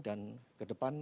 dan ke depan